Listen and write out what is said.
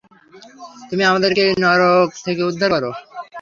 তুমি আমাদেরকে এই নরক থেকে উদ্ধার করো।